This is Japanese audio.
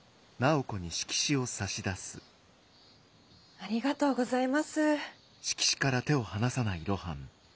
ありがとうございます。